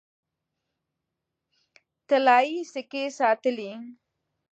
طلايي سکې ساتلې.